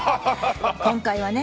今回はね